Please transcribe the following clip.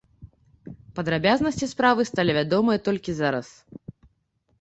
Падрабязнасці справы сталі вядомыя толькі зараз.